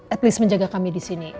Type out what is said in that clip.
at least menjaga kami disini